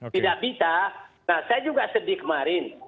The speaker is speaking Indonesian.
tidak bisa saya juga sedih kemarin